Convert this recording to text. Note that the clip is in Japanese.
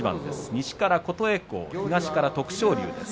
西から琴恵光東から徳勝龍です。